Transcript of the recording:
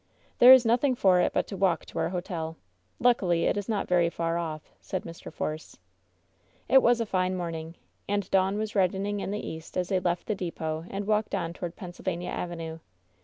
"There is nothing for it but to walk to our hoteL Luckily, it is not very far off," said Mr. Force. It was a fine morning, and dawn was reddening in the east as they left the depot and walked on toward Penn sylvania Avenue.